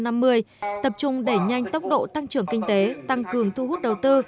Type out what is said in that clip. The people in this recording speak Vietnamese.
tập trung đẩy nhanh tốc độ tăng trưởng kinh tế tăng cường thu hút đầu tư